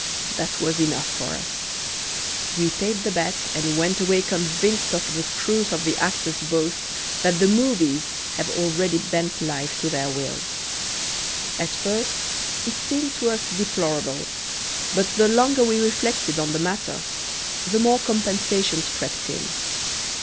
That was enough for us. We paid the bet and went away convinced of the truth of the actor's boast that the movies have already bent life to their will. At first it seemed to us deplorable, but the longer we reflected on the matter the more compensations crept in.